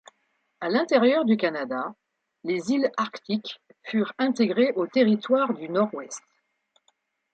À l'intérieur du Canada, les îles arctiques furent intégrées aux Territoires du Nord-Ouest.